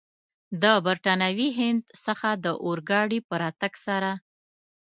له برټانوي هند څخه د اورګاډي په راتګ سره.